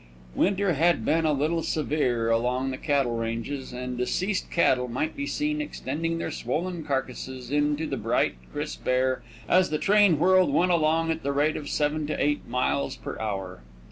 Winter had been a little severe along the cattle ranges, and deceased cattle might be seen extending their swollen carcasses into the bright, crisp air as the train whirled one along at the rate of seven to eight miles per hour.